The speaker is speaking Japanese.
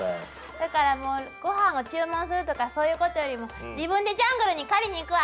だからもうごはんを注文するとかそういうことよりも自分でジャングルに狩りに行くわ！